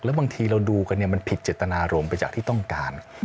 แล้วบางทีเราดูกันเนี่ยมันผิดเจตนารมณ์ไปจากที่ต้องการ